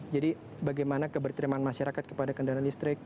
jadi bagaimana keberterimaan masyarakat kepada kendaraan listrik